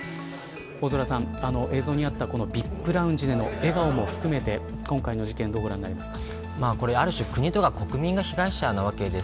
大空さん、映像にあったＶＩＰラウンジでの笑顔も含めて今回の事件どうご覧になりますか。